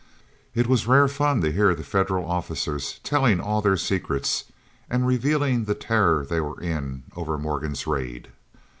It was rare fun to hear the Federal officers telling all their secrets, and revealing the terror they were in over Morgan's raid.